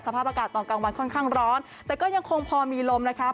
สภาพอากาศตอนกลางวันค่อนข้างร้อนแต่ก็ยังคงพอมีลมนะคะ